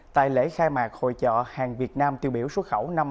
tại lễ khai mạc hội chợ hàng việt nam tiêu biểu xuất khẩu năm hai nghìn hai mươi